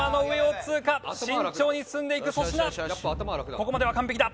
ここまでは完璧だ。